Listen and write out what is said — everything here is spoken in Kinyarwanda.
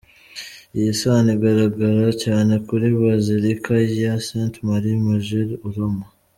Iyi sano igaragara cyane kuri Bazilika ya Sainte-Marie-Majeure i Roma.